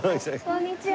こんにちは。